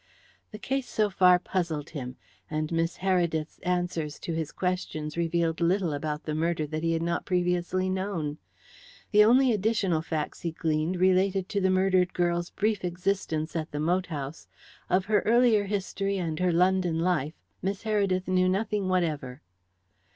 The case so far puzzled him, and Miss Heredith's answers to his questions revealed little about the murder that he had not previously known. The only additional facts he gleaned related to the murdered girl's brief existence at the moat house; of her earlier history and her London life Miss Heredith knew nothing whatever.